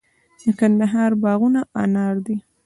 د کندهار باغونه انار دي